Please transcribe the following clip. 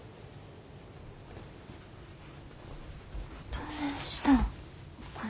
どねんしたん？